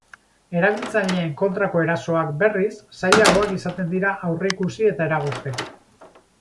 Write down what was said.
Erabiltzaileen kontrako erasoak, berriz, zailagoak izaten dira aurreikusi eta eragozteko.